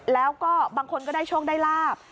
แล้วก็บางคนก็ได้โชคได้ลาบ